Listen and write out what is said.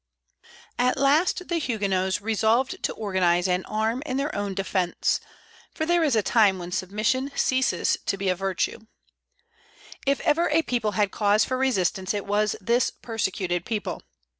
At last the Huguenots resolved to organize and arm in their own defence, for there is a time when submission ceases to be a virtue. If ever a people had cause for resistance it was this persecuted people.